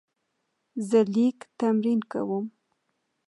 زه لیک تمرین کوم.